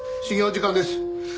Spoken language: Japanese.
始業時間です。